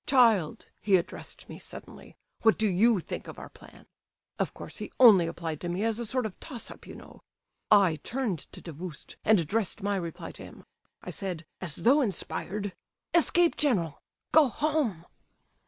"'Child,' he addressed me suddenly, 'what do you think of our plan?' Of course he only applied to me as a sort of toss up, you know. I turned to Davoust and addressed my reply to him. I said, as though inspired: "'Escape, general! Go home!